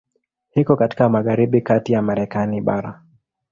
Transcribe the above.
Iko katika magharibi kati ya Marekani bara.